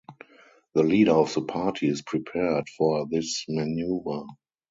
The leader of the party is prepared for this maneuver.